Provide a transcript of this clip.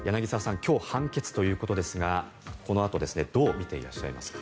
今日、判決ということですがこのあとどう見ていらっしゃいますか？